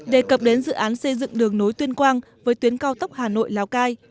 đề cập đến dự án xây dựng đường nối tuyên quang với tuyến cao tốc hà nội lào cai